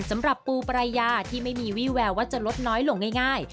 สำหรับปูปรายาที่ไม่มีวี่แววว่าจะลดน้อยลงง่าย